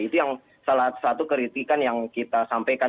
itu yang salah satu kritikan yang kita sampaikan